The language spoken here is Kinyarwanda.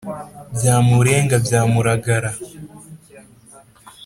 Byamurenga bya Muragara